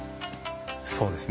そうですね。